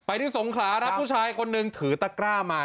ที่สงขลาครับผู้ชายคนหนึ่งถือตะกร้ามา